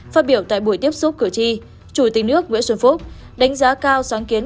phát biểu tại buổi tiếp xúc cửa chi chủ tịch nước nguyễn xuân phúc đánh giá cao sáng kiến